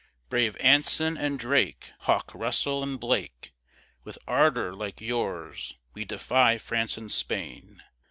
Brave Anson, and Drake, Hawke, Russell, and Blake, With ardor like yours, we defy France and Spain!